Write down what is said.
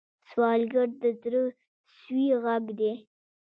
سوالګر د زړه سوې غږ دی